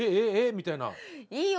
みたいな。